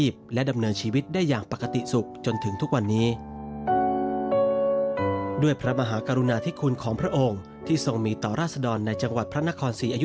เคยมาขึ้นบ้านเอาก็นึกอยู่ด้วย